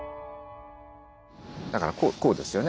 だからこうこうですよね。